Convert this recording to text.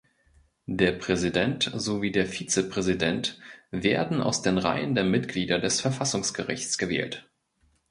Der Präsident sowie der Vizepräsident werden aus den Reihen der Mitglieder des Verfassungsgerichts gewählt.